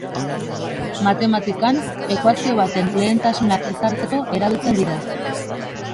Matematikan, ekuazio baten lehentasunak ezartzeko erabiltzen dira.